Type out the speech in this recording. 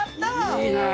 いいね。